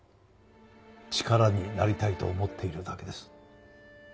力になりたいと思っているだけです。